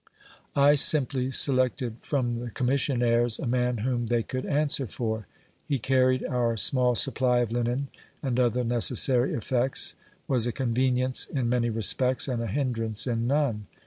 I simply selected from the commissionaires a man whom they could answer for. He carried our small supply of linen and other necessary effects, was a convenience in many respects and a hindrance in none.